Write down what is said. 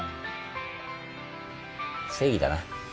正義だな。